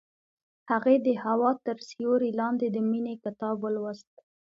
هغې د هوا تر سیوري لاندې د مینې کتاب ولوست.